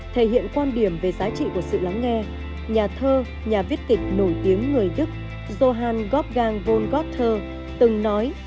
thể hiện quan điểm về giá trị của sự lắng nghe nhà thơ nhà viết kịch nổi tiếng người đức johann wolfgang von gotthe từng nói